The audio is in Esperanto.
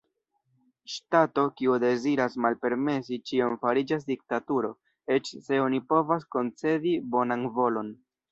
Ŝtato kiu deziras malpermesi ĉion fariĝas diktaturo, eĉ se oni povas koncedi bonan volon.